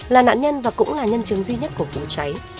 là nạn nhân và cũng là nhân chứng duy nhất của vụ cháy